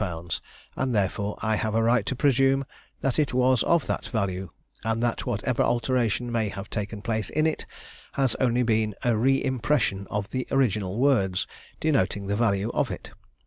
_, and therefore I have a right to presume that it was of that value, and that whatever alteration may have taken place in it, has only been a re impression of the original words denoting the value of it.